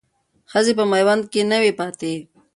ښځې په میوند کې نه وې پاتې.